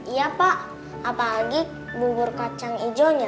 iya pak apalagi bubur kacang hijaunya